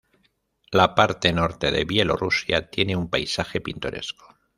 La parte norte de Bielorrusia tiene un paisaje pintoresco.